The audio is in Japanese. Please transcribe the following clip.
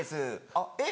「あっえっ？